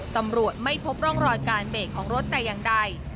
ตำรวจไม่พบร่องรอยการเบรกของรถแต่อย่างใด